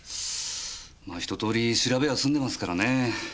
まあひととおり調べは済んでますからねえ。